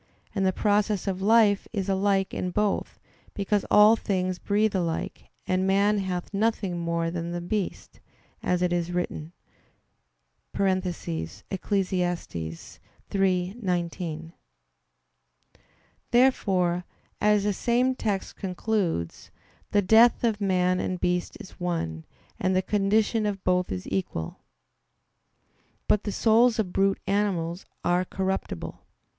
And the process of life is alike in both; because "all things breathe alike, and man hath nothing more than the beast," as it is written (Eccles. 3:19). Therefore, as the same text concludes, "the death of man and beast is one, and the condition of both is equal." But the souls of brute animals are corruptible.